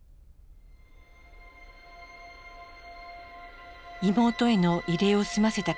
妹への慰霊を済ませた帰り道。